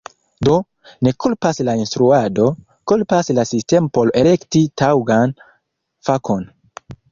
Do, ne kulpas la instruado; kulpas la sistemo por elekti taŭgan fakon.